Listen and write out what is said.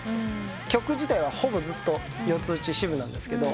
曲自体はほぼずっと４つ打ち四分なんですけど。